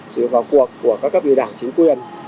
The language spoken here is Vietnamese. dựa vào cuộc của các cấp điều đảng chính quyền